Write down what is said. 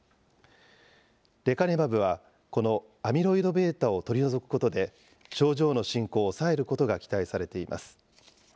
レカネマブはこのアミロイドβを取り除くことで、症状の進行を抑えることが期待されています。